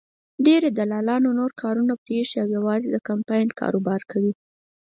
ډېرو دلالانو نور کارونه پرېښي او یوازې د کمپاین کاروبار کوي.